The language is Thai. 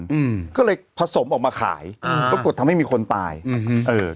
อืมก็เลยผสมออกมาขายอ่าปรากฏทำให้มีคนตายอืมเออ